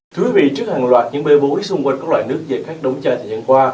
thưa quý vị trước hàng loạt những bê bối xung quanh các loại nước dạy khác đống chai và nhận qua